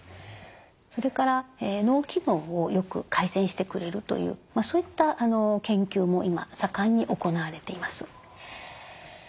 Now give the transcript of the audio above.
それから脳機能をよく改善してくれるというそういった研究も今盛んに行われています。